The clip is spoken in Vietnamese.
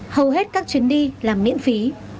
hầu hết các chuyến đi là miễn phí